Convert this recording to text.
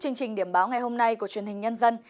chương trình điểm báo ngày hôm nay của truyền hình nhân dân